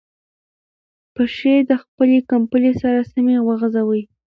پښې د خپلې کمپلې سره سمې وغځوئ.